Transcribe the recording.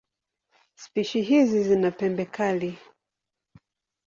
Spishi hizi zina pembe kali.